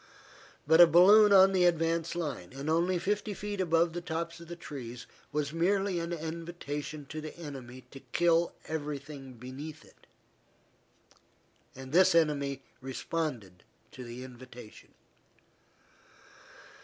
But a balloon on the advance line, and only fifty feet above the tops of the trees, was merely an invitation to the enemy to kill everything beneath it. And the enemy responded to the invitation.